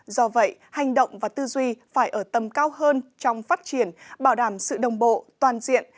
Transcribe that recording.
do vậy hành động và tư duy phải ở tầm cao hơn trong phát triển bảo đảm sự đồng bộ toàn diện